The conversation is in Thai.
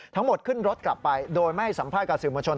ทั้งหมดขึ้นรถกลับไปโดยไม่ให้สัมภาษณ์กับสื่อมวลชน